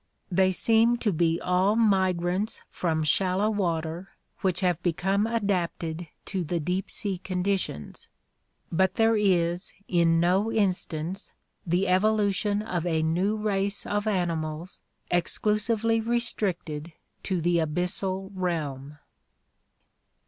They seem to be all migrants from shallow water which have become adapted to the deep sea conditions, but there is in no instance the evolution of a new race of animals exclusively re stricted to the abyssal realm.